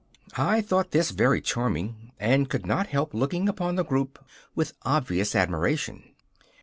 I thought this very charming, and could not help looking upon the group with obvious admiration.